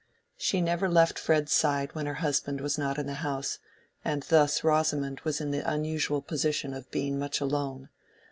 She never left Fred's side when her husband was not in the house, and thus Rosamond was in the unusual position of being much alone.